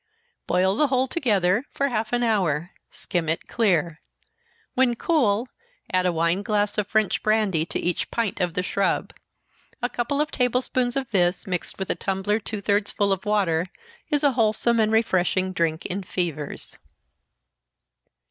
Boil the whole together for half an hour, skim it clear. When cool, add a wine glass of French brandy to each pint of the shrub. A couple of table spoonsful of this, mixed with a tumbler two thirds full of water, is a wholesome and refreshing drink in fevers.